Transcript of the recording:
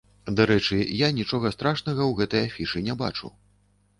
Дарэчы, я нічога страшнага ў гэтай афішы не бачу.